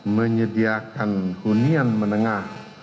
menyediakan hunian menengah